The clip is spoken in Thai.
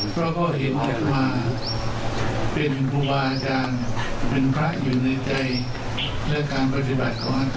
อัตมาตุภูมิอัตมาเป็นคนบ่าพนังแก่งวัดนักบรรชีสำราช